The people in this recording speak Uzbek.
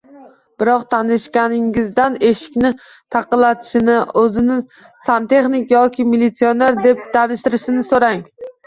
Biror tanishingizdan eshikni taqillatishini, o‘zini santexnik yoki militsioner deb tanishtirishini so'rang.